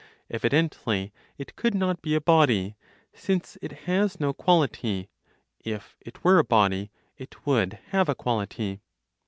Evidently, it could not be a body, since it has no quality; if it were a body, it would have a quality.